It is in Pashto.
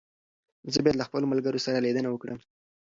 زه بايد له خپلو ملګرو سره ليدنه وکړم.